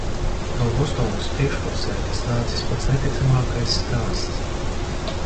No Bostonas priekšpilsētas nācis pats neticamākais stāsts.